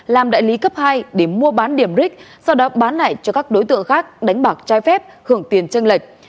làm đại lý cấp hai để mua bán điểm rig sau đó bán lại cho các đối tượng khác đánh bạc trai phép hưởng tiền chân lệch